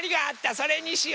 それにしよ。